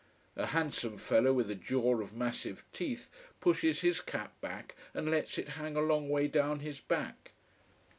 A handsome fellow with a jaw of massive teeth pushes his cap back and lets it hang a long way down his back.